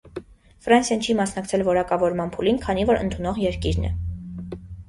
Ֆրանսիան չի մասնակցել որակավորման փուլին, քանի որ ընդունող երկիրն է։